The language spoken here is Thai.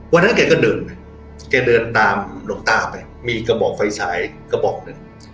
วันนั้นแกก็เดินไปแกเดินตามหลวงตาไปมีกระบอกไฟสายกระบอกหนึ่ง